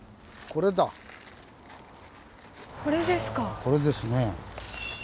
これですね。